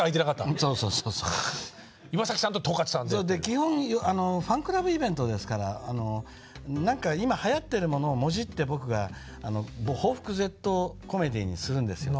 基本ファンクラブイベントですから何か今はやってるものをもじって僕が抱腹絶倒コメディーにするんですよ。